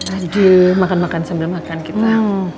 lagi makan makan sambil makan kita